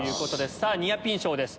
さぁニアピン賞です。